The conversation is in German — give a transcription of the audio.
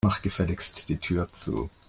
Mach gefälligst die Tür zu.